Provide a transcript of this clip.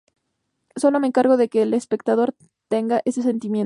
Sólo me encargo de que el espectador tenga ese sentimiento.